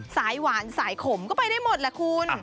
สายหวานสายขมก็ไปได้หมดแหละคุณ